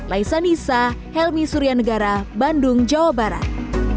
laisa nisa helmy suryanegara bandung jawa barat